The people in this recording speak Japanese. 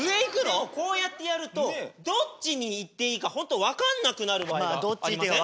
でもこうやってやるとどっちに行っていいか本当分かんなくなる場合がありますよね。